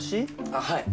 はい。